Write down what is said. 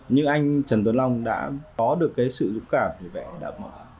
nhưng anh trần tuấn long đã có được cái sự dũng cảm để vẽ đạo mẫu